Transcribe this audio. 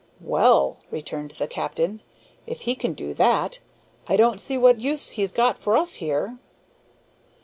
"Well," returned the captain, "if he can do that, I don't see what use he's got for us here."